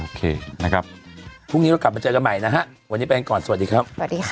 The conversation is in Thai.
โอเคนะครับพรุ่งนี้ก็กลับมาเจอกันใหม่นะฮะวันนี้แปลงก่อนสวัสดีครับ